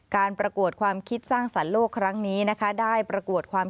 ประกวดความคิดสร้างสรรค์โลกครั้งนี้นะคะได้ประกวดความ